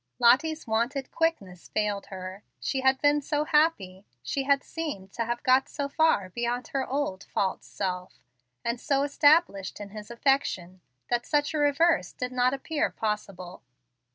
Lottie's wonted quickness failed her. She had been so happy, she had seemed to have got so far beyond her old, false self, and so established in his affection, that such a reverse did not appear possible.